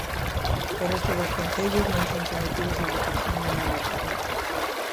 O resto dos concellos non son sometidos a votación nin a opinión.